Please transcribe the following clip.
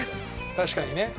確かにね。